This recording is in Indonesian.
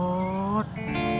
ssshh pelan pelan ruth